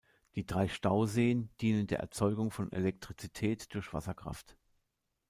Die drei Stauseen dienen der Erzeugung von Elektrizität durch Wasserkraft.